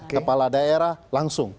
kepala daerah langsung